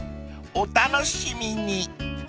お楽しみに］